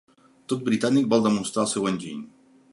Tot britànic vol demostrar el seu enginy.